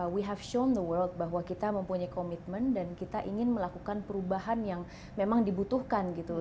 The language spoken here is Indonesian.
we have show the world bahwa kita mempunyai komitmen dan kita ingin melakukan perubahan yang memang dibutuhkan gitu